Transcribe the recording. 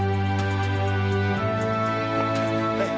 はい。